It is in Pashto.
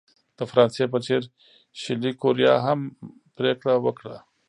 د فرانسې په څېر شلي کوریا هم پرېکړه وکړه.